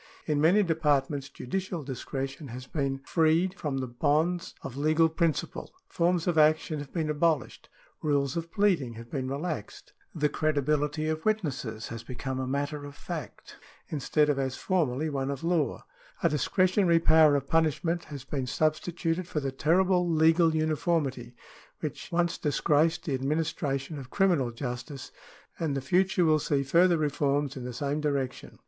In many departments judicial discretion has been freed from 1 Bacon, De Augmentis, Lib. 8, Aph. 40 ; Aristotle's Rhetoric, I. 1. §10 1 CIVIL LAW 27 the bonds of legal principle. Forms of action have been abolished ; rules of pleading have been relaxed ; the credi bility of witnesses has become a matter of fact, instead of as formerly one of law ; a discretionary power of punishment has been substituted for the terrible legal uniformity which once disgraced the administration of criminal justice ; and the future will see further reforms in the same direction.